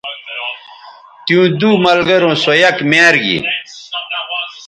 تیوں دو ملگروں سو یک میار گی